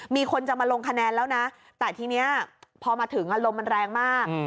มีคนจะมาลงคะแนนแล้วนะแต่ทีนี้พอมาถึงอารมณ์มันแรงมาก